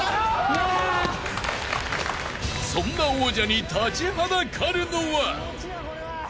［そんな王者に立ちはだかるのは］